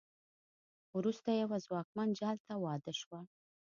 وروسته یوه ځواکمن جال ته واده شوه.